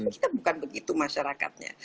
kita bukan begitu masyarakatnya